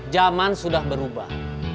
zaman sudah berubah